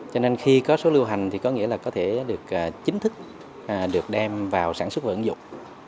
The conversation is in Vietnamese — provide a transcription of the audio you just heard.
cho nên khi có số lưu hành thì có nghĩa là có thể được chính thức được đem vào sản xuất và ứng dụng